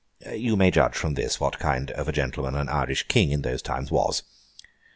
You may judge from this, what kind of a gentleman an Irish King in those times was.